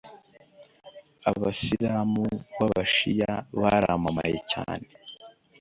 abisilamu b’abashiya baramamaye cyane